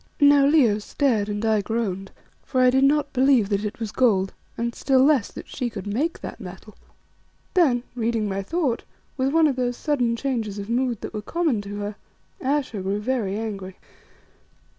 Now Leo stared and I groaned, for I did not believe that it was gold, and still less that she could make that metal. Then, reading my thought, with one of those sudden changes of mood that were common to her, Ayesha grew very angry.